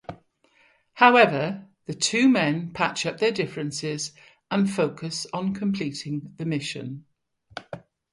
However, the two men patch up their differences, and focus on completing the mission.